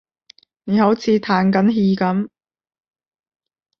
你好似歎緊氣噉